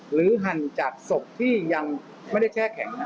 หั่นจากศพที่ยังไม่ได้แช่แข็ง